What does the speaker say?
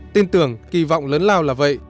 tin tưởng kỳ vọng lớn lao là vậy